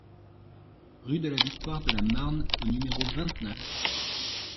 Rue de la Victoire de la Marne au numéro vingt-neuf